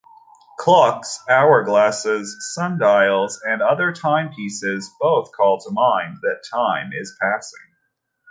Clocks, hourglasses, sundials, and other timepieces both call to mind that time is passing.